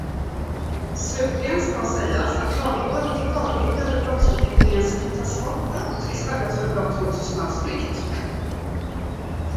Slutligen ska sägas att lagrådet förordade brottsbeteckningen sekretessbrott i stället för brott mot tystnadsplikt.